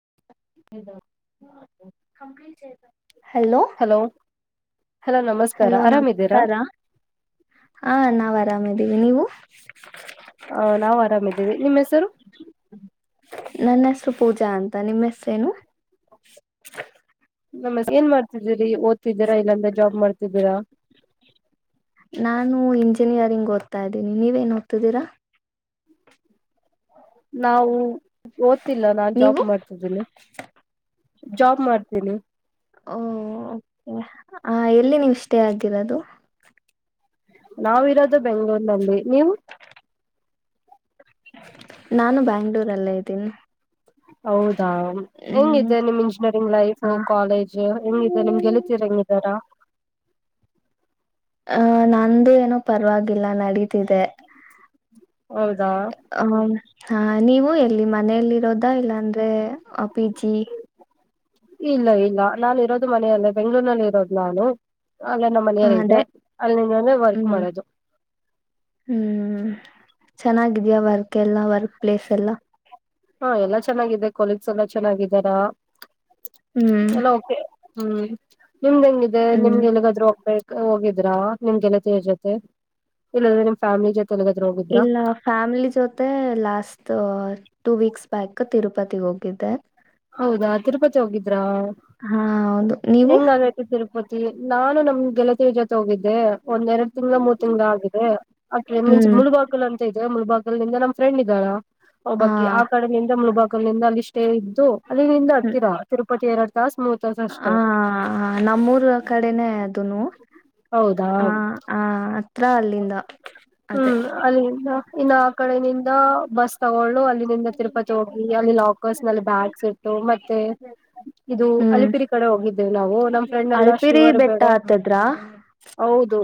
[unintelligible] Hello hello ನಮಸ್ಕಾರ hello ಆರಾಮಿದ್ದೀರಾ ನಮಸ್ಕಾರ ಹಾ ನಾವರಾಮ್ ಮದೀವಿ ನೀವು ಹ ನಾವಾರಾಮಿದ್ದೀವಿ, ನಿಮ್ಮ್ ಹೆಸರು? ನನ್ನ ಹೆಸರು ಪೂಜಾ ಅಂತ ನಿಮ್ಮ ಹೆಸ್ರೇನು ನಮಸ್ ಏನ್ ಮಾಡ್ತಿದ್ರೀ ಇಲ್ಲಿ ಓತಿದ್ದೀರಾ ಇಲ್ಲಂದ್ರೆ ಜಾಬ್ ಮಾಡ್ತಿದ್ದೀರಾ ಇಂನಿಯರಿಂಗ್ ಓದ್ತಾ ಇದ್ದೀನಿ, ನೀವೇನ್ ಓದ್ತಿದ್ದೀರಾ? ನಾವು ಓದ್ತಿಲ್ಲ, ನಾನ್ ಜಾಬ್ ನೀವು ಮಾಡ್ತಿದ್ದೀನಿ. ಜಾಬ್ ಮಾಡ್ತೀನಿ. ಓ ಆ ಎಲ್ಲಿ ನೀವು ಸ್ಟೇ ಆಗಿರದು? ನಾವಿರೋದು ಬೆಂಗ್ಳೂರ್ನಲ್ಲಿ ನೀವು ನಾನು ಬ್ಯಾಂಗ್ಳೂರಲ್ಲೇ ಇದ್ದೀನ್ ಹೌದಾ ಹ್ಮ್ ಹೆಂಗಿದೆ ನಿಮ್ ಇಂಜಿನಿಯರಿಂಗ್ ಲೈಫು ಹ ಕಾಲೇಜು ಹೆಂಗಿದೆ ನಿಮ್ ಗೆಲಿತೀರ ಹೆಂಗಿದಾರಾ ಆಂ ನಂದೇ ಏನೋ ಪರವಾಗಿಲ್ಲ ನಡೀ ತಿದೆ ಹೌದಾ ಹಂ ಹಾ ನೀವು ಎಲ್ಲಿ ಮನೆಯಲ್ಲಿರೋದ, ಇಲ್ಲಾ ಅಂದ್ರೆ ಅ ಪಿ ಜಿ ಇಲ್ಲ ಇಲ್ಲ ನಾನು ಇರೋದು ಮನೆಯಲ್ಲೇ ಬೆಂಗ್ಗಳೂರ್ನಲ್ಲಿ ಇರೋದು ನಾನು ಅಲ್ಲೆ ನಮ್ಮನೆಯಲ್ಲಿದ್ದೆ ಅದೇ ಅಲ್ಲಿಂದನೇ ವರ್ಕ್ ಹ್ಮ್ ಮಾಡೋದು. ಹ್ಮ್ ಚೆನ್ನಾಗಿದ್ಯಾ ವರ್ಕೆಲ್ಲಾ ವರ್ಕ್ ಪ್ಲೇಸ್ ಎಲ್ಲ? ಹಾ ಎಲ್ಲಾ ಚೆನ್ನಾಗಿದೆ ಕೊಲೀಗ್ಸ್ ಎಲ್ಲಾ ಚೆನ್ನಾಗಿದ್ದಾರಾ. ಹ್ಮ್ ಎಲ್ಲ ಓಕೆ ಹ್ಮ್ ನಿಮ್ದ ಹೆಂಗ್ ಇದೆ, ಹ್ಮ್ ನಿಮ್ಗ್ ಎಲ್ಲಿಗಾದ್ರೂ ಹೋಗ್ ಹೋಗಿದ್ರಾ ನಿಮ್ ಗೆಳತಿಯ ಜೊತೆ ಇಲ್ಲಂದ್ರೆ ನಿಮ್ ಫ್ಯಾಮಿಲಿ ಜೊತೆ ಎಲ್ಲಿಗಾದ್ರೂ ಹೋಗಿದ್ರಾ ಇಲ್ಲ ಫ್ಯಾಮ್ಲಿ ಜೊತೆ ಲಾಸ್ಟ್ ಟು ವೀಕ್ಸ್ ಬ್ಯಾಕ್ ತಿರುಪತಿಗೆ ಹೋಗಿದ್ದೆ ಹೌದಾ ತಿರುಪತಿ ಹೋಗಿದ್ರಾ, ಹಾ ಹೌದು ನೀವು ಹೆಂಗಾಗೈತಿ ತಿರುಪತಿ? ನಾನು ನಮ್ ಗೆಲತಿ ಜೊತೆ ಹೋಗಿದ್ದಿ ಒಂದ್ ಎರಡ್ ತಿಂಗ್ಳು ಮೂರ್ ತಿಂಗ್ಳು ಆಗಿದೆ, ಆ ಟೈಮಿಂಗ್ಸ್ ಹ್ಮ್ ಮುಳುಗಾಕಲು ಅಂತ ಅಯ್ತ್ ಮುಲ್ಭಾಗಲ್ಿಂದ ನಮ್ಮ ಫ್ರೆಂಡ್ ಇದ್ದಾರಾ ಹ ಹಬಕಿ ಆ ಕಡೆಯಿಂದ ಮುಳಬ [unintelligible] ಅಲ್ಲಿ ಇಷ್ಟೇ ಅಲ್ಲಿಲ್ಲಿಂದ ಆಡ್ತೀರಾ ತಿರುಪತಿ ಎರಡು ಹಾ ನಮ್ಮೂರ್ ಕಡೆನೆೇ ಅದುನು ಹೌದಾ ಆ ಅತ್ರ ಅಲ್ಲಿಂದ ಅದೇ ಹ್ಮ್ ಅಲ್ಲಿಂದ ಇನ್ನು ಆ ಕಡೆಯಿಂದ ಬಸ್ ತಗೊಳ್ಳು ಅ ಲ್ಲಿ ತಿರುಪತಿ ಹೋಗಿ ಅಲ್ಲಿ ಲಾಕರ್ಸ್ ನಲ್ಲಿ ಬ್ಯಾಗ್ಸ್ ಇಟ್ಟು ಮತ್ತೆ ಇದು ಹ್ಮ್ ಅಲಿಪಿರಿ ಕಡೆ ಹೋಗಿದ್ದೇವೆ ನಾವು ನಮ್ ಫ್ರೆಂಡ್ ಎಲ್ಲ ಅಲ್ಪಿರಿ ಶಿವರ್ ಬೆಟ್ಟ ಬೇಡ ಹತ್ತದ್ರ ಹೌದು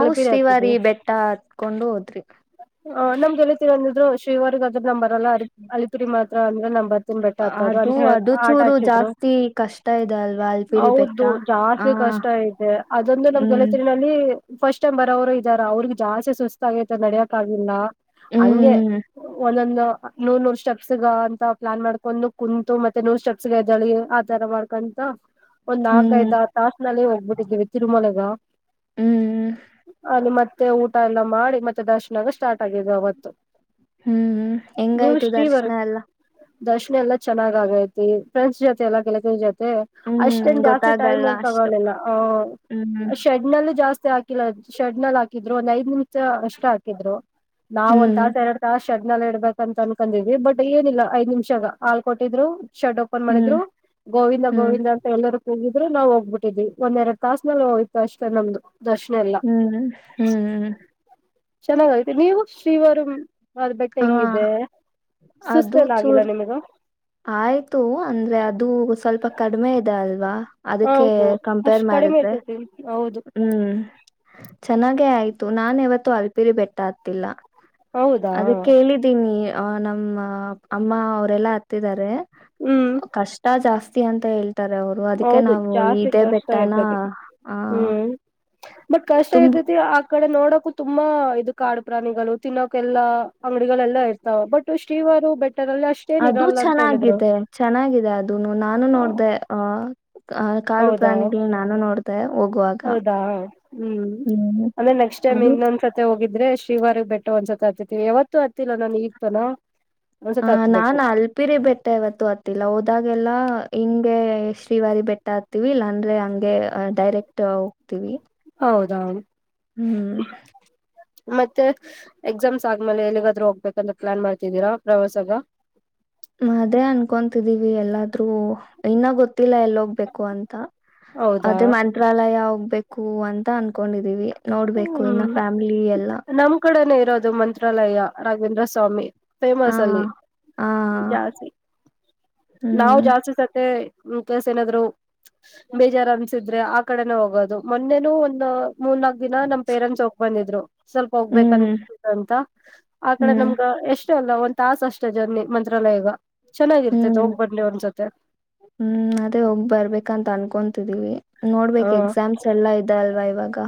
ಅಲಿಪಿರಿ ಬಾರಿ ಹತ್ತಿದ್ವಿ ಬೆಟ್ಟ ಹತ್ಕೊಂಡು ಹೋದ್ರಿ. [unintelligible] ನಂಬರರ್ಲ್ಲ ಅ ಅಲಿತುರಿ ಮಾಡತ ಂದ ನಂಬರ್ ತಿನ್ಬಟ್ಟ ಆತದ ಅದು ಅಂತ ಅದು ಆಟ ಚೂರು ಹಚಿದ್ರು ಜಾಸ್ತಿ ಕಷ್ಟ ಇದೆ ಅಲ್ವಾ ಅಲ್ಪಿರಿ ಬೆಟ್ಟ ಹೌದು ಆ ಜಾಸ್ತಿ ಕಷ್ಟ ಇದೆ ಅದೊಂದು ನಮ್ ಹ್ಮ್ ಕಲಿತರಿನಲ್ಲಿ. ಫಸ್ಟ್ ಟೈಮ್ ಬರುವವರು. ಇದ ಅವ್ರಿಗೆ ಜಾಸ್ತಿ ಸುಸ್ತ ಆಾಗೈತೆ ನಡಿಯೋಕ್ಕ ಆಾಗಿಲ್ಲ ಹಂಗೆ ಹ್ಮ್ ಒಂದೊಂದು ನೂ ನೂರ್ ಸ್ಟೆಪ್ಸ್ಗ ಅಂತ ಪ್ಲಾನ್ ಮಾಡ್ಕೊಂಡು ಕುಂತು ಮತ್ತೆ ನೂರ್ ಸ್ಟೆಪ್ಸ್ ಎ್ದಳಿ ಆತರ ಮಾಡ್ಕೊಂತ. ಒಂದ್ ಹ್ಮ್ ಆಕೈಐದ ತಾಸನಲ್ಲೇ ಹೋಗ್ಬಿಟ್ಟಿದ್ದೀವಿ ತಿರುಮಲಗ ಹ್ಮ್ ಅಲ್ಲಿ ಮತ್ತೆ ಊಟ ಎಲ್ಲ ಮಾಡಿ ಮತ್ತೆ ದರ್ಶನ ಸ್ಟಾರ್ಟ್ ಆಗಿದ್ ಅವತ್ತು ಹ್ಮ್ ನೀವು ಹೆಂಗಾಯ್ತು ಶ್ರೀವರ್ ದರ್ಶನ ಎಲ್ಲಾ. ದರ್ಶನ ಎಲ್ಲ ಚನ್ನಾಗ ಆಗೈಐತಿ ಫ್ರೆಂಡ್ಸ್ ಜೊತೆ ಎಲ್ಲ ಗೆಳತ ಜೊತೆತಿ ಹ್ಮ್ ಅಷ್ಟನ್ ಜಾಸ್ತಿ ಟೈಮ್ ಗೊತ್ತಾಗಲ್ಲ ಅಷ್ಟು ತಗೋಿಲ್ಲ ಹ್ಮ್ ಶೆಡ್ ನಲ್ಲ ಜಾಸ್ತಿ ಹಾಕಿಲ್ಲ ಶಡ್ ನಲ್ ಹಾಕಿದ್ರು ನೈದ ನಿಮಿಷ ಅಷ್ಟ ಹಾಕಿದ್ರು ನಾವ್ ಒಂದ್ ಹ್ಮ್ ತಾಸ ಎರಡು ತಾಸ ಚಡ್ ನಲ್ ಇಡ್ಬೇಕ ಅಂತ ಅನ್ಕೊಂಡಿದ್ವಿ ಬಟ್ ಏನಿಲ್ಲ ಐದು ನಿಮಿಷಗ ಹಾಲ್ ಕೊಟ್ಟಿದ್ರು ಶಡ್ ಓಪನ್ ಹ್ಮ್ ಮಾಡಿದ್ರು ಗೋವಿಂದ ಹ್ಮ್ ಗೋವಿಂದ ಅಂತ ಎಲ್ಲರೂ ಹೋಗಿದ್ರೆ ನಾವು ಹೋಗ್ಬಿಟ್ಟಿದ್ವಿ, ಒಂದ್ ಎರಡು ತಾಸ್ಸನಲ್ ಹೋಯ್ತಷ್ಟೇ ನಮ್ದು. ದರ್ಶನ ಎಲ್ಲ ಹ್ಮ್ ಹ್ಮ್ ಚೆನ್ನಾಗಾಗತಿ ನೀವು ಶ್ರೀವರ ಅದ್ ಬೆಟ್ಟ ಹಾ ಹೆಂಗಿದೆ ಅದು ಸುಸ್ತಲ್ಲ ಆಗಿಲ್ಲ ಚೂರ್ ನಿಮಗ ಆಯ್ತು ಅಂದ್ರೆ ಅದು ಸ್ವಲ್ಪ ಕಡಿಮೆ ಇದೆ ಅಲ್ ರಾ ಅದಕ್ಕೆ ಹೌದು ಕಂಪೇರ್ ಅಷ್ಟ್ ಕಡಿಮೆ ಮಾಡಿದ್ರೆ ಇರ್ತತಿ ಹೌದು ಹ್ಮ್ ಚೆನ್ನಾಗೆ ಆಯ್ತು ನಾನ್ ಇವತ್ತು ಅಲ್ಪಿರಿ ಬೆಟ್ಟ ಆತ್ತಿಲ್ಲ. ಹೌದಾ ಅದ ಕೇಳಿದ್ದೀನಿ ನಮ್ಮ ಅಮ್ಮ ಅವರೆಲ್ಲಾ ಹತ್ತಿದ್ದಾರೆ ಹ್ಮ್ ಕಷ್ಟ ಜಾಸ್ ಅಂತ ಹೇಳಲ್ಲಿ ಇತಾರೆ ಅವರು ಅದಕ್ಕೆ ಹೌದು ನಾವು ಜಾಸ್ತಿ ಇದೇ ಕಷ್ಟ ಬೆಟ್ಟನ ಇರ್ತದೆ ಆ ಹ್ಮ್ ಬಟ್ ಕಷ್ಟ ತುಂಬ ಇತೈತಿ ಆ ಕಡೆ ನೋಡಕ್ ತುಂಬಾ ಇದು ಕಾಡು ಪ್ರಾಣಿಗಳು ತಿನ್ನೋಕೆಲ್ಲಾ ಅಂಗಡಿಗಳೆಲ್ಲಾ ಇರ್ತಾವ, ಬಟ್ ಶ್ರೀವಾರ ಬೆಟ್ ಅದು ಚೆನ್ನಾಗಿದೆ ಚೆನ್ನಾಗಿದೆ ಅದನು ನಾನು ನೋಡ್ದ ಆ ಆ ಕಾಡು ಹೌದಾ ಪ್ರಾಣಿಗಳು ನಾನು ನೋಡ್ದೆ ಹೋಗುವಾಗ ಹೌದಾ ಹ್ಮ್ ಹ್ಮ್ ಅಂದ್ರೆ ನೆಕ್ಸ್ಟ್ ಟೈಮ್ ಅದು ಇನ್ನೊಂದ್ಸತಿ ಹೋಗಿದ ಇದ್ರೆ್ರ ಶಿವಾರ್ ಬೆಟ್ಟ ಒಂದ್ಸ ಹತ್ತತಿವಿ ಯಾವತ್ತು ಹತ್ತಿಲ್ಲ ನಾನ ಇತನ ಹ ನಾನ್ ಅಲ್ಪಿರಿ ಬೆಟ್ಟ ಇವತ್ತು ಹತ್ತಿಲ್ಲ ಹೋದಾಗೆ ಲ್ಲ ಹಿಂಗೆ ಶ್ರೀವಾರಿ ಬೆಟ್ಟ ಆಗ್ತೀವಿ ಇಲ್ಲಾಂದ್ರೆ ಹಂಗೆ ಡೈರೆಕ್ಟ್ ಹೋಗ್ತಿೀವಿ ಹೌದ ಹ್ಮ್ ಮತ್ತೆ ಎಕ್ಸಾಮ್ಸ್ ಆದ್ಮೇಲೆ ಎಲ್ಲಿಗಾದ್ರೂ ಹೋಗ್ಬೇಕಂತ ಪ್ಲಾನ್ ಮಾಡ್ತಿದ್ದೀರಾ ಪ್ರವಾಸಗ ಅದೇ ಅನ್ಕೊತಿದೀವಿ ಎಲ್ಲಾದ್ರೂ ಇನ್ನ ಗೊತ್ ತಿಲ್ಲ ಎಲ್ಲಿ ಹೋಗ್ಬೇಕು ಅಂತ ಹೌದಾ ಅದೇ ಮಂತ್ರಾಲಯ ಬೇಕು ಅಂತ ಅನ್ಕೊಂಡಿದೀವಿ ನೋಡ್ಬೇಕು ಇನ್ನ ಹ್ಮ್ ಫ್ಯಾಮಿಲಿ ಎಲ್ಲ ಅದು ಮಂತ್ರಾಲಯ ರಾಘೇಂದ್ರ ಸ್ವಾಮಿ ಆ ಫೇಮಸ್ ಅಲ್ಲಿ ಆ ಜಾಸ್ತಿ ನಾವು ಹ್ಮ್ ಜಾಸ್ತಿ ಸತ್ಯ ವಿಕೆಸ ಏನಾದ್ರು ಬೇಜಾರು ಅನ್ಸಿದ್ರೆ ಆ ಕಡೆನ ಹೋಗೋದು ಮೊನ್ನೆನು ಒಂದ್ ಮೂರ್ನಕ್ ದಿನ ನಮ್ ಪೇರೆಂಟ್ಸ್ ಹೋಗ ಬಂದಿದ್ರು ಸ್ವಲ್ಪ ಹೋಗ್ಬೇಕನ್ ಹ್ಮ್ ಅಂತ ಆ ಕಡೆ ಹ್ಮ್ ನಮ್ಗ ಎಷ್ಟ ಅಷ್ಟ ಅಲ್ಲ ಒಂದು ತಾಸು ಅಷ್ಟೇ ಜರ್ನಿ ಮಂತ್ರಾಲಯಗ ಹ್ಮ ಚೆನ್ನಾಗಿರ್ತೈತೆ ಹ್ಮ್ ಹೋಗ್ ಬನ್ನಿ ಒಂದ್ಸತೆ ಹ್ಮ್ ಅದೇ ಹೋಗ್ ಬರ್ಬೇಕಂತ ಅನ್ಕೊಂಡು ತಡಿವೆ ಹ ನೋಡ್ಬೇಕ ಎಕ್ಸಾಮ್ಸ್ ಎಲ್ಲಾ ಇದ ಅಲ್ವಾ ಇವಾಗ ಗಾ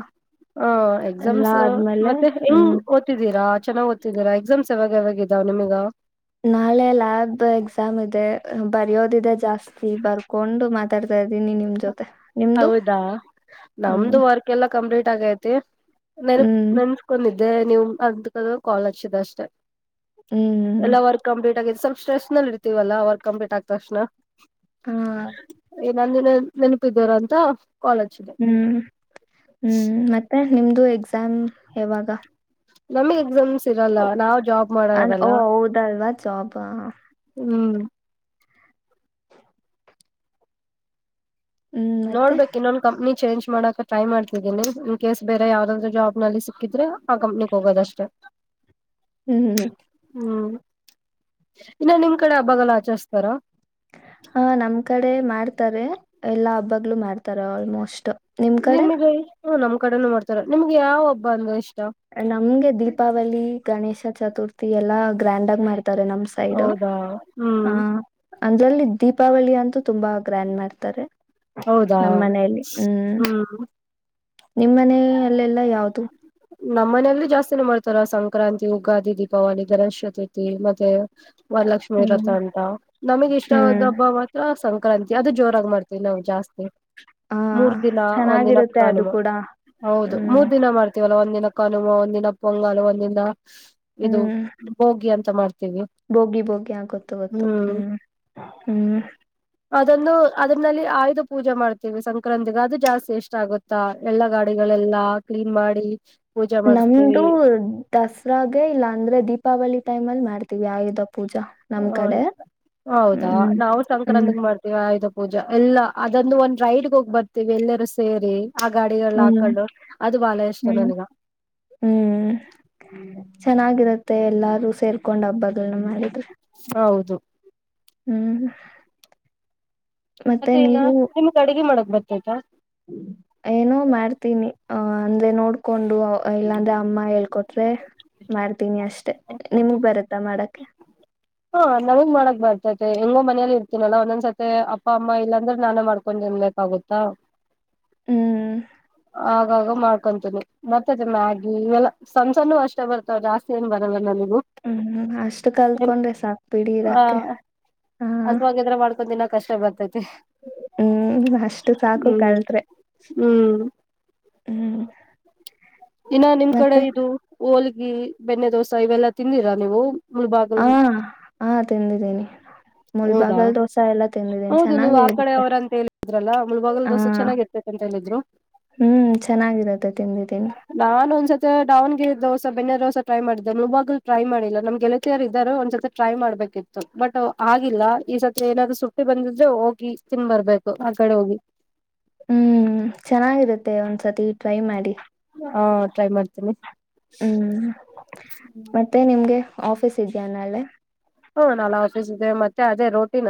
ಹ ಎಕ್ಸಾಮ್ಸ್ ಮತ್ತೆ ಹೆಂಗ್ ಹ್ಮ್ ಓದ್ತಿದ್ದೀರಾ? ಚೆನ್ನಾಗ ಓದ್ತಿದ್ದೀರಾ ಎಕ್ಸಾಮ್ಸ್ ಯಾವಾಗ ಯಾವಾಗ ಇದಾವ ನಿಮಗ ನಾಳೆ ಲ್ಯಾಬ್ ಎಕ್ಸಾಮ್ ಇದೆ ಹ್ಮ್ ಬರಿಯೋದಿದೆ ಜಾಸ್ತಿ ಬರ್ಕೊಂಡು ಮಾತಾಡ್ತಾ ಇದ್ದೀನಿ ನಿಮ್ ಜೊತೆ ನಿಮ್ದು ಹೌದಾ ಹ್ಮ್ ನಮ್ದು ವರ್ಕ್ ಎಲ್ಲ ಕಂಪ್ಲೀಟ್ ತ್ತಗೈತಿ ನೆನಪ ಹ್ಮ್ ನೆನ್ಸ್ಕೊಂಡಿನೀ ಅದೇ ನೀವ್ [unintelligible] ಅಂತ್ಕ ಕಾಲ್ ಆಚ್ದೆ ಅಷ್ಟೇ ಹ್ಮ್ ಎಲ್ಲಾ ವರ್ಕ್ ಕಂಪ್ಲೀಟ್ ಆಗಿದೆ ಸ್ವಲ್ಪ ಸ್ಟ್ರೆಸ್ಲ್ಲಿ ಇರ್ತಿವಲ್ಲ ಅವ ವರ್ ಕಂಪ್ಲೀಟ್ ಆ ತಕ್ಷಣ ಹಾ ಏನಂದಿ ನೀನು ನೆನಪಿದಾರ ಅಂತ ಕಾಲ್ ಹಚ್ಚಿದೆ ಹ್ಮ್ ಹ್ಮ್ ಮತ್ತೆ ನಿಮ್ದು ಎಕ್ಸಾಮ್ ಯಾವಾಗ? ನಾಮವು ಎಕ್ಸಾಮ್ಸ್ ಇರಲ್ಲ ನಾವು ಜಾಬ್ ಅನ್- ಓ ಮಾಡರಲ ಹೌದಲ್ವಾ ಜಾಬ್ ಹ್ಮ ಹ್ಮ್ ಮತ್ತೆ ನೋಡ್ಬೇಕು ಇನ್ನೊಂದು ಕಂಪ್ನಿ ಚೇಂಜ್ ಮಾಡಕ ಟ್ರೈ ಮಾಡ್ತಿದ್ದೀನಿ ಇನ್ ಕೇಸ್ ಬೇರೆ ಯಾವ್ದಾದ್ರು ಜಾಬ್ ನಲ್ಲಿ ಸಿಕ್ಕಿದ್ರೆ ಆ ಕಂಪ್ನಿಕ್ ಹೋಗೋದಷ್ಟೆ ಹ್ಮ್ ಹ್ಮ್ ಹ್ಮ್ ಇನ್ನ ನಿಮ್ ಕಡೆ ಹಬ್ಬಗಳ್ನ ಆಚರ್ಸತಾರ? ಹ ನಮ್ ಕಡೆ ಮಾಡ್ತಾರೆ ಎಲ್ಲಾ ಹಬ್ಬಗ್ಗಳುೂ ಮಾಡ್ತಾರ ಆಲ್ಮೋಸ್ಟ್. ನಿಮ್ ಕಡೆ ನಿಮಗೆ. ಹ್ಮ ನಮಮ್ಮ ಕಡೆ ಮಾಡ್ತಾರ ನಿಮ್ಗೆ ಯಾವಬ್ಬ ಅಂದ ಎಷ್ಟು ನಮ್ಗೆ ದೀಪಾವಳಿ ಗಣೇಶ ಚತುರ್ಥಿ ಎಲ್ಲಾ ಗ್ರ್ಯಾಂಡ್ ಆಗ ಮಾಡ ನಮ ಸೈಡ್ ಹೌದಾ ಆ ಹ್ಮ್ ಅಂದ್ರಲ್ಲಿ ದೀಪಾವಳಿ ಅಂತೂ ತುಂಬಾ ಗ್ರ್ಯಾಂಡ್ ಮಾಡ್ತಾರೆ ಹೌದಾ ನಮ್ ಹ್ಮ್. ನಿಮ್ಮನ ಅಲ್ಲೆಲ್ಲಾ ಯಾವದು ನಮ್ಮ್ ಮನೆಯಲ್ಲಿ ಜಾಸ್ತಿನ ಮಾಡ್ತಾರ ಸಂಕ್ರಾಂತಿ ಉುಗಾದಿ ದೀಪಾವಳಿ ಗಣೇಶ ಚತುರ್ಥಿ ಮತ್ತೆ ವರಲಕ್ಷ್ಮಿ ವ್ರಥ ಹ್ಮ್ ಅಟ ನಮಗ ಇಷ್ಟವಾದ ಹ್ಮ್ ಹಬ್ಬ ಮಾತ್ರ ಸಂ ಂತ ಅದು ಜೋರಾಗಿ ಮಾಡ್ತವಿ ನಾವು ಜಾಸ್ತಿ. ಹ ಮೂರ್ ದಿನ ಒಂದಿನ ಚೆನ್ನಾಗಿರುತ್ತೆ ಅದು ಕಾನ ಕೂಡ ಹೌದು ಹ್ಮ್ ಮೂರ್ ದಿನ ಮಾಡ್ತ ಒಂದಿನ ಕಲುವ ಒಂದಿನ ಪೊಂಗಲು ಒಂದಿದ. ಇದು ಬೋಗಿ ಅಂತ ತಮಾರ್ ಬೋಗಿ ಬೋಗಿ ಆಗೊತ್ತು ಗೊತ್ತು ಹ್ಮ್ ಹ್ಮ್ ಆಯ್ದು ಪೂಜೆ ಮಾಡ್ತೀವಿ ಸಂಕ್ರಾಂತಿಗ ಅದು ಜಾಸ್ತಿ ಎಷ್ಟ ಆಗುತ್ತಾ ಎಲ್ಲಾ ಗಾಡಿಗಳೆಲ್ಲ ಕ್ಲೀನ್ ಮಾಡಿ [unintelligible] ನಮ್ದು ಮಾಡಿಸ್ತೀವಿ ದಸರಾಗೆ ಇಲ್ಲ ಅಂದ್ರೆ ದೀಪಾವಳಿ ಟೈಮ್ ಅಲ್ಲಿ ಮಾಡ ಆಯುಧ ಪೂಜಾ ನಮ್ ಹ ಕಡೆ ಹೌದಾ ಹ್ಮ್ ನಾವು ಹ್ಮ್ ಸಕ್ರಾಂತಿಗೆ ಮಾಡ್ತೀವಿ ಆಯಪ್ಪ ಪೂಜಾ ಎಲ್ಲಾ ಅದಂದು ಒಂದ್ ರೈಡ್ಗೆ ಹೋಗ್ ಬರ್ತೀವಿ ಎಲ್ಲರೂ ಸೇರಿ ಆ ಗಾಡಿಗಳು ಹ್ಮ್ ಹಾಕೊಂಡು ಅದು ಬಾಳ ಇಷ್ಟ ಹ್ಮ್ ನನ್ಗ. ಚೆನ್ನಾಗಿರುತ್ತೆ ಎಲ್ಲಾರ ಸೇರ್ಕೊಂಡ್ ಹಬ್ಬಗಳನ್ನ ಮಾಡಿದ್ ಹೌದು ಹ್ಮ್ ಮತ್ತೆ ನ ನಿಮಗೆ ಅಡಗೆ ಮಾಡ. ಬತೈತ ಏನೋ ಮಾಡ್ತೀನಿ ಅ ಅಂದ್ರೆ ನೋಡ್ಕೊಂಡು ಇಲ್ಲಾಂದ್ರೆ ಅಮ್ಮ ಹೇಳ್ಕೊಟ್ರೆ ಮಾಡ್ ತೀನಿ ಅಷ್ಟೆ ನಿಮ್ಗ್ ಬರತ್ತಾ ಮಾಡಕ್ಕೆ ಹಾಂ ನಮಗ್ ಮಾಡಕ್ ಬರ್ತೈತೆ ಹೆಂಗೋ ಮನೇಲಿ ಇರ್ತನಲ್ಲಾ ಒಂದೊಂದ್ಸತಿ ಅಪ್ಪ ಅಮ್ಮ ಇಲ್ಲಾಂದ್ರೆ ನಾನೇ ಮಾಡ್ಕೊಂಡ ತಿನ್ಬೇಕಾಗುತ್ತಾ ಹ್ಮ್ ಆಗಾಗ ಮಾಡ್ಕೊಂತನನೆ ಮತ್ತ ಅದ ಮ್ಯಾಗಿ ಇವೆಲ್ಲ ಸಣ್ಣ ಸಣ್ಣು ಅಷ್ಟೇ ಬರ್ತಾವ ಜಾಸ್ತಿ ಏನ್ ಬರಲ್ಲ ನನಗೆ ಹ್ಮ್ ಅಷ್ಟು ಕಲ್ಕೊಂಡ್ರಿ ಸಾಕು ಹ ಹಸವಾಗದ್ರ ಮಾಡ್ಕೊತಿನ ಕಷ್ಟ ಬರ್ತತಿ ಹ್ಮ್ ಅಷ್ಟು ಸಾಕು ಕಲ್ಟ್ರಿ ಹ್ಮ್ ಹ್ಮ್ ಇನ್ನ ನಿಮ್ ಕಡೆ ಮತ್ತೆ ಇದು ಹೋಲ ಬೆಣ್ಣೆ ದೋಸೆ ಇವೆಲ್ಲ ತಿಂದಿರಾ ನೀವು ಮುಳಬಾಗಲ್ ಹಾ ಹಾ ತಿಂದಿದ್ದೇನಿ ಹೌದಾ ಮುಲ್ಬಾಗಲ್ ದೋಸೆ ಎಲ್ಲ ತಿಂದಿದ್ದೀನಿ ಹೌದು ಚೆನ್ನಾಗ ನೀವು ಆ ಕಡೆ ಇರುತ್ತೆ ಅವ್ರ ಅಂತ ಹೇಳಿದ್ರಲ್ಲ ಮುಳಬಾಗಲ್ ಹ ದೋಸೆ ಚೆನ್ನಾಗಿರ್ತೈತೆ ಅಂತ ಹೇಳಿದ್ರು ಹ್ಮ್ ಚೆನ್ನಾಗಿರುತ್ತೆ ತಿಿಂದ ದಿನ ನ ಒಂದ್ಸತ್ತ ಡಾವಣಗೆರಿ ದೋಸ ಬೆಣನ್ನೆ ದೋಸ ಟ್ರೈ ಮಾಡಿದ್ದ ನೂವಾಗ್ಲು ಟ್ರೈ ಮಾಡಿಲ್ಲ ನಮ್ ಗೆಳತಿಯರ್ ಇದ್ದಾರ ಒಂದ್ಸತಿ ಟ್ರೈ ಮಾಡ್ಬೇಕಿತ್ತು ಬಟ್ ಆಗಿಲ್ಲ ಈ ಸರ್ ಏನಾದ್ರು ಸುಟ್ಟಿ ಬಂದಿದ್ರೆ ಹೋಗಿ ತಿನ್ ಬರ್ಬೇಕು ಆ ಕಡೆ ಹೋಗಿ ಹ್ಮ್ ಚೆನ್ನಾಗಿರುತ್ತೆ ಒಂದ್ಸತಿ ಟ್ರೈ ಮಾಡಿ ಹಾ ಟ್ರೈ ಮಾಡ್ತೀನಿ ಹ್ಮ್ ಮತ್ತೆ ನಿಮ್ಗೆ ಆಫೀಸ್ ಇದೆಯ ನಲ್ಲೆ ಹ್ಮ ನಾಳೇ ಆಫೀಸ್ ಇದೆ ಮತ್ತೆ ಅದೇ ರೋಟೀನ್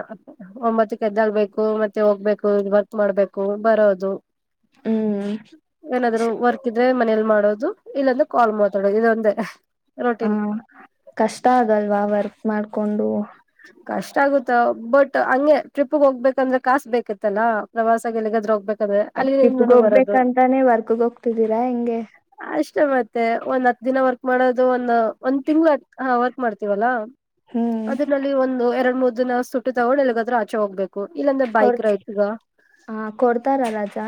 ಒಂಬತ್ತಕ್ಕೆ ಎದ್ದಾಗಬೇಕು ಮತ್ತೆ ಹೋಗ್ಬೇಕು ವರ್ಕ್ ಮಾಡ್ಬೇಕು ಬರೋದು ಹ್ಮ್ ಏನಾದ್ೂ ವರ್ಕ್ ಇದೆ ೆಲ್ ಮಾಡೋದು ಇಲ್ಲೊಂದು ಕಾಲ್ ಮಾತಾಡೋದು ಇದೊಂದ ಹ ಕಷ್ಟ ಆಗಲ್ವಾ ವರ್ಕ್ ಮಾಡ್ ಕೊಂಡು ಕಷ್ಟ ಆಗುತ್ತ ಬಟ್ ಹಂಗೆ ಟ್ರಿಪ್ಗೆ ಹೋಗ್ಬೇಕಂದ್ರೆ ಕಾಸ ಬೇಕಿತ್ತಲ್ಲಾ ಪ್ರವಾಸ ಎಳಗಾದ್ರ ಹೋಗ್ಬೇಕ ಟ್ರಿಪ್ಗೆ ಅಲ್ಲಿ ಬರದು ಹೋಗ್ಬೇಕಂತಾನೆ ವರ್ಕ್ಗೆ ಹೋಗ್ತಿದ್ದೀರಾ ಹೆಂಗೆ ಅಷ್ಟೇ ಮತ್ತೆ ಒಂದ್ ಹತ್ತು ದಿನ ವಕ್ ಮಾಡೋದು ಒಂದು ಒಂದ್ ತಿಂಗ್ಳ ಹ ಮಾಡ್ತೀವಲ್ಲಾ ಹ್ಮ್ ಅದ್ರಲ್ಲಿ ಒಂದು ಎರಡು ಮೂರ್ ದಿನ ಸುಟ್ಟಿ ತಗೊಂಡು ಎಲ್ಲಿಗಾದ್ರ ಆಚೆೋಹೋಗ್ಬೇಕು ಇಲ್ಲಂದ ಬೈಕ ಕೊಡ್ ರ ಆಯ್ತು ಹ ಹ ಕೊಡ್ತಾರ ರಜಾ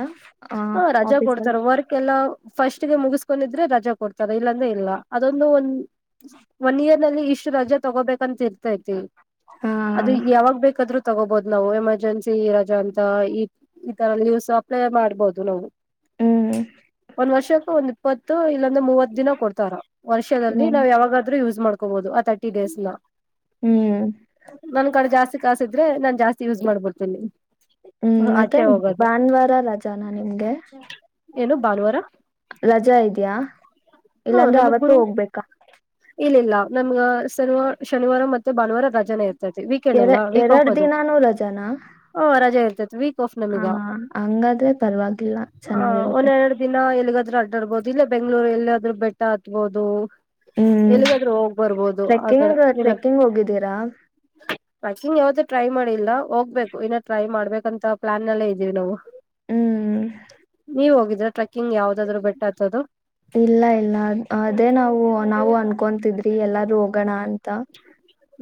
ಹ ರಜಾ ಆಫೀಸಲ್ಲಿ ಕೊಡ್ತಾರ ವರ್ಕ್ ಎಲ್ಲ ಫಸ್ಟ್ಗೆ ಮುಗಿಸಕೊಂಡಿದ್ರೆ ರಜಾ ಕೊಡ್ತಾರ ಇಲ್ಲಾಂದ್ರೆ ಇಲ್ಲ ಅದೊಂದು ಒಂದ ಒನ್ ಇಯರ್ ನಲ್ಲಿ ಇಷ್ಟು ರಜಾ ತಗೋಬೇಕಂತ ಇರ್ತ ಆತತಿ ಹಾ ಅದು ಯಾವಾಗ ಬೇಕಾದ್ರು ತಗೋಬಹುದು ನಾವು ಎಮರ್ಜೆನ್ಸಿರಜಾ ಅಂತ ಈ ತರ ಲೀವ್ಸ್ ಅಪ್ಲೈ ಮಾಡ್ಬಹುದು ನಾವು ಹ್ಮ್ ಒಂದ್ ವರ್ಷಕ್ಕ ಒಂದು ಪತ್ತ ಇ ಮೂವತ್ ದಿನ ಕೊಡ್ತಾರ ವರ್ಷದಲ್ಲಿ ಹ್ಮ್ ನ್ ಯಾವಾಗೂ ಮಾಡ್ಕೋಬಹುದು ಆ ತರ್ಟಿ ಡೇಸ್ ನ ಹ್ಮ್ ನನ್ ಕಡೆ ಜಾಸ್ತಿ ಕಾಸಿದ್ರೆ ನಾನ್ ಜಾಸ್ತಿ ಯೂಸ್ ಮಾಡ್ಬಿಡ್ತೀನಿ ಹ್ಮ್ ಮತ್ತೆ ಆಚೆ ಹೋಗೋದು ಭಾನುವಾರ ರಜಾನ ನಿಮ್ಗೆ? ಏನು ಭಾನುವಾರ ರಜಾ ಇದ್ಯಾ, ಇಲ್ಲಾಂದ್ರೆ ಅವತ್ತು ಹೋಗ್ಬೇಕಾ? ಇಲ್ಲ ಇಲ್ಲ ನಮ್ಗ ಸರ್ವ ಶನಿವಾರ ಮತ್ ಭಾನುವಾರ ರಜಾನೆ ಇರ್ತೈತಿ ವೀಕೆಂಡ್ ಎರ ಎಲ್ಲ ವೀಕ್ ಆಫ್ ಎರಡ್ ಅದು ದಿನಾನೂ ರಜಾನ ಹ ರಜೆ ಇರ್ತತಿ ವೀಕ್ ಆಫ್ ಹ ನಮಗ ಹಂಗಾದ್ರೆ ಪರವಾಗಿಲ್ಲ ಚೆನ್ನಾಗಿರುತ್ತೆ ಒೆರಡು ದಿನ ಅಡ್ಡಾಡ್ಬಹುದು ಇಲ್ಲ ಬೆಂಗ್ಗಳೂರು ಎಲ್ಲಿ ಆದ್ರೂ ಬೆಟ್ಟ ಹಾತ್ಬಹುದು ಹ್ಮ್ ಎಲ್ಲಿಾದ್ರೂ ಹೋಗ್ ಬರ್ಬೋದು ಆ ಗಡೆ ಟ್ರೆಕ್ಕಿಂಗ್ ಟ್ರೆಕ್ಕಿಂಗ್ ಹೋಗಿದ್ದೀರಾ ಪಕಿಂಗ್ ಯಾವ್ದೂ ಟ್ರೈ ಮಾಡಿಿಲ್ಲ ಹೋಗ್ಬೇಕು ಇನ್ನ ಟ್ರೈ ಮಾಡ್ಬೇಕು ಅಂತ ಪ್ಲಾನ್ಲ್ಲೇ ಇದೀವಿ ನಾವು ಹ್ಮ್ ನೀವೆ ಹೋಗಿದ್ [unintelligible] ಇಲ್ಲ ಇಲ್ಲ ಅದೇ ನಾವು ನಾವು ಅನ್ಕೊತಿದ್ದೀವಿ ಎಲ್ಲದ್ರು ಹೋಗಣ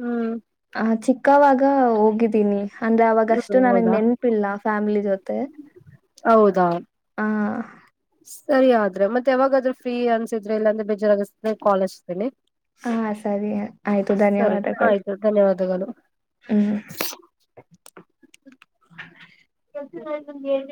ಹ್ಮ್ ಆ ಚಿಕ್ಕಾವಾಗ್ ಈಗ ಹೋಗಿದ್ದೀನಿ ಅಂದ್ರೆ ಅವಾಗಷ್ಟು ಹ್ಮ್ ನನಗ್ ಹೌದಾ ನೆನಪಿಲ್ಲ ಫ್ಯಾಮಿಲಿ ಜೊತೆ ಹೌದಾ ಆ ಸರಿ ಆದ್ರೆ ಮತ್ತೆ ಯಾವಾಗಾದ್ರ ಫ್ರೀ ಅನ್ಸಿದ್ರೆ ಇಲ್ಲಾಂದ್ರ ಬೇಜಾರಾಗ ಕಾಲಸ್ತೀನಿ ಹಾ ಸರಿ ಆಯ್ತು ಸರಿ ಧನ್ಯವಾದಗಳು ಆಯ್ತು ಧನ್ಯವಾದಗಳು ಹ್ಮ್ ಕೆಲ್ಸ ನಿಮ್ಗೆ ಹೇಳ